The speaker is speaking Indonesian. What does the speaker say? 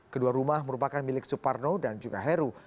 kedua rumah merupakan milik suparno dan juga heru